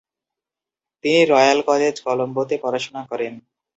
তিনি Royal College, Colombo তে পড়াশোনা করেন।